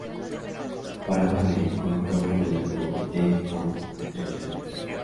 Paramore contó con el grupo Kitten como teloneros.